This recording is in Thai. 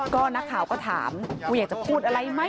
ก็นักข่าวก็ถามว่าอยากจะพูดอะไรไหม